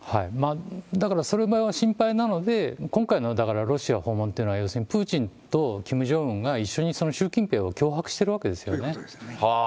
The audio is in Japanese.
だからその場合が心配なので、今回のだからロシア訪問っていうのは、要するにプーチンとキム・ジョンウンが、一緒に習近平を脅迫してるわけですよね。